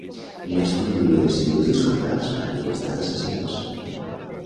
Més d'un milió de civils i soldats havien estat assassinats.